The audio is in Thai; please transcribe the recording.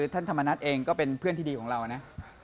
ท่านธรรมนัฐเองก็เป็นเพื่อนที่ดีของเรานะ